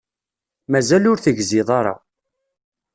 Mazal ur tegziḍ ara.